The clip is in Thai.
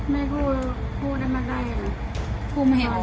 แม่พูดไม่ได้